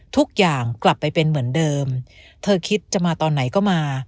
ทุกอย่างกลับไปเป็นเหมือนเดิมเธอคิดจะมาตอนไหนก็มา